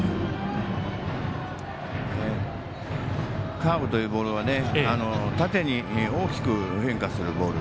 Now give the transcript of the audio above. カーブというボールは縦に大きく変化するボール。